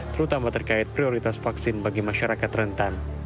terutama terkait prioritas vaksin bagi masyarakat rentan